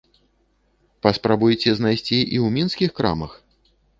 Паспрабуйце знайсці і ў мінскіх крамах?